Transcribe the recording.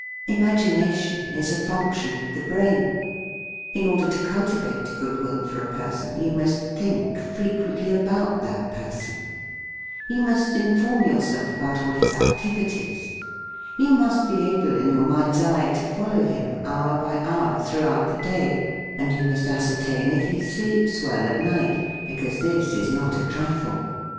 Imagination is a function of the brain. In order to cultivate goodwill for a person, you must think frequent ly about that person. You must in THE FEAST OF ST FRIEND form yourself about all his activities. You must be able in your mind's eye to follow him hour by hour throughout the day, and you must ascertain if he sleeps well at night — because this is not a trifle.